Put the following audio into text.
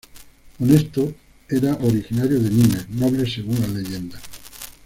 Honesto era originario de Nimes, noble según la leyenda.